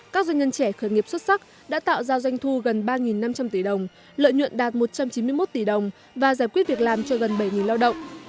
các doanh nhân trẻ khởi nghiệp xuất sắc đã tạo ra doanh thu gần ba năm trăm linh tỷ đồng lợi nhuận đạt một trăm chín mươi một tỷ đồng và giải quyết việc làm cho gần bảy lao động